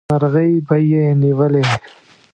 مرغۍ به یې نیولې.